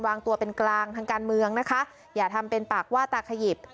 วางตัวเป็นกลางทางการเมืองนะคะอย่าทำเป็นปากว่าตาขยิบ